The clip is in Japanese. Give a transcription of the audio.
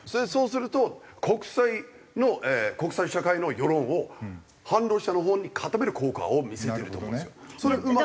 そうすると国際の国際社会の世論を反ロシアのほうに固める効果を見せてると思うんですよ。